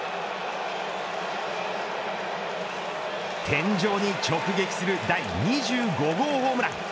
天井に直撃する第２５号ホームラン。